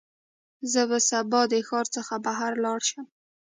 زه به سبا د ښار څخه بهر لاړ شم.